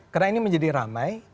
karena ini menjadi ramai